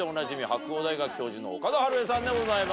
白大学教授の岡田晴恵さんでございます。